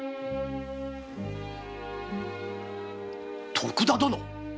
徳田殿！